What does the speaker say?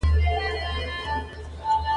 په ډېر افسوس باید ووایم چې ناروغي ختمه نه شوه.